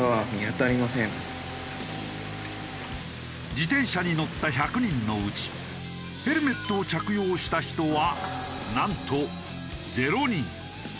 自転車に乗った１００人のうちヘルメットを着用した人はなんと０人。